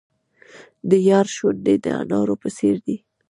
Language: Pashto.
د یار شونډې د انارو په څیر دي.